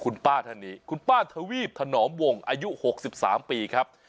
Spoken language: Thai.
คุณป้าท่านนี้คุณป้าทวีบถนอมวงอายุ๖๓ปีครับ